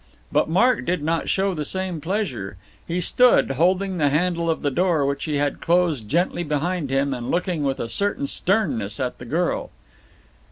But Mark did not show the same pleasure. He stood, holding the handle of the door, which he had closed gently behind him, and looking with a certain sternness at the girl.